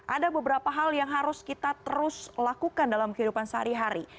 ada beberapa hal yang harus kita terus lakukan dalam kehidupan sehari hari